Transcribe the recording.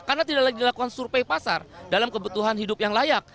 karena tidak lagi dilakukan survei pasar dalam kebutuhan hidup yang layak